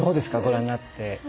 ご覧になって。